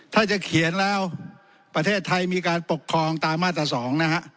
ถ้าจะเขียนแล้วประเทศไทยมีการปกครองตามมาตร๒นะฮะ